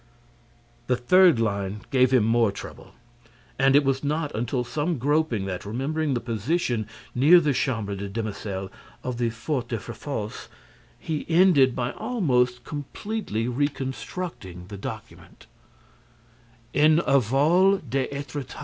_ The third line gave him more trouble; and it was not until some groping that, remembering the position, near the Chambre des Demoiselles, of the Fort de Fréfossé, he ended by almost completely reconstructing the document: _"En aval d'Étretat.